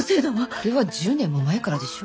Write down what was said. それは１０年も前からでしょ。